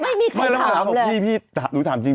ไม่มีใครถามเลยนะคะพี่ครับผมพี่หนูถามจริง